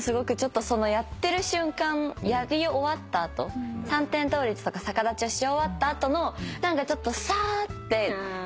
やってる瞬間やり終わった後三点倒立とか逆立ちをし終わった後の何かちょっとさって。